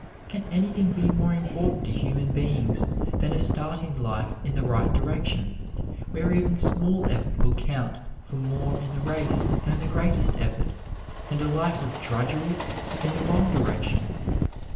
Can anything be more important to human beings than a start in life in the right direction, where even small effort will count for more in the race than the greatest effort and a life of drudgery in the wrong direction?